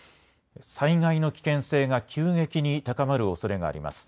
災害の危険性が急激に高まるおそれがあります。